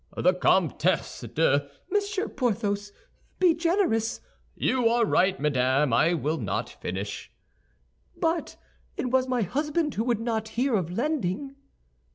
"The Comtesse de—" "Monsieur Porthos, be generous!" "You are right, madame, and I will not finish." "But it was my husband who would not hear of lending."